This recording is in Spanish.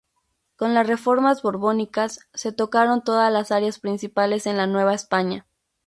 Con las reformas borbónicas se tocaron todas las áreas principales en la Nueva España.